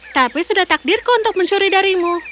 tapi sudah takdirku untuk mencuri darimu